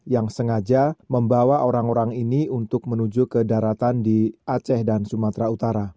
yang sengaja membawa orang orang ini untuk menuju ke daratan di aceh dan sumatera utara